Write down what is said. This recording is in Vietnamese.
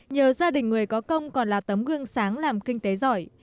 nhờ gia đình người có công còn là tấm gương sáng làm kinh tế giỏi